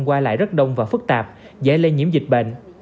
qua lại rất đông và phức tạp dễ lây nhiễm dịch bệnh